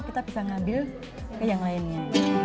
kita bisa ngambil ke yang lainnya